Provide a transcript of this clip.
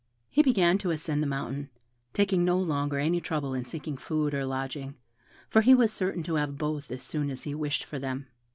He began to ascend the mountain, taking no longer any trouble in seeking food or lodging, for he was certain to have both as soon as he wished for them.